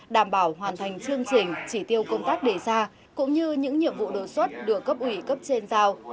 đảm bảo hoàn thành chương trình chỉ tiêu công tác đề ra cũng như những nhiệm vụ đột xuất được cấp ủy cấp trên giao